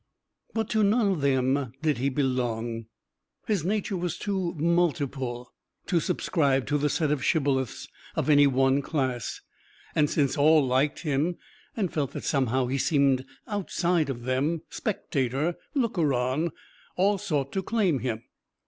But to none of them did he belong. His nature was too "multiple" to subscribe to the set of shibboleths of any one class. And, since all liked him, and felt that somehow he seemed outside of them spectator, looker on all sought to claim him.